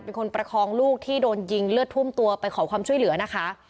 เป็นคนประคองลูกที่โดนยิงเลือดทุ่มตัวไปขอความช่วยเหลือนะคะ